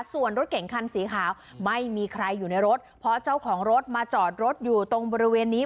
ส่วนรถเก่งคันสีขาวไม่มีใครอยู่ในรถเพราะเจ้าของรถมาจอดรถอยู่ตรงบริเวณนี้